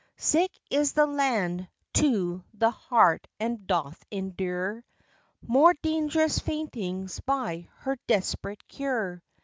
Sick is the land to th' heart; and doth endure More dangerous faintings by her desperate cure.